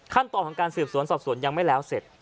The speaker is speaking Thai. ขั้นตอนของการสืบสวนสอบสวนยังไม่แล้วเสร็จ